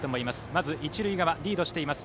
まず一塁側、リードしています